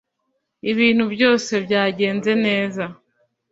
ibintu byose byagenze neza